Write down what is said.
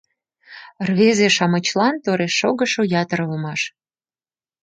Рвезе-шамычлан тореш шогышо ятыр улмаш.